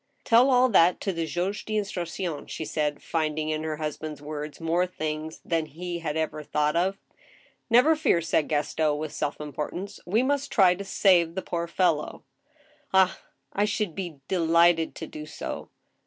" Tell all that to the juge tTtnstructton" she said, finding in her husband's words more things than he had ever thought of. " Never fear," said Gaston, with self importance ;" we must try to save the poor fellow." " Ah I I should be delighted to do so."